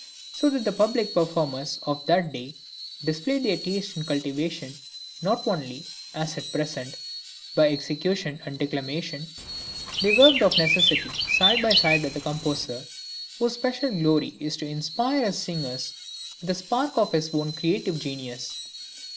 So that the public performers of that day displayed their taste and cultivation not only, as at present, by execution and declamation; they worked of necessity side by side with the composer, whose special glory it was to inspire his singers with a spark of his own creative genius.